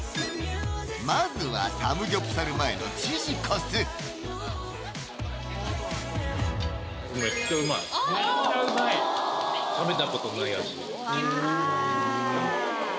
まずはサムギョプサル前のチヂコスめっちゃ美味い！うわ！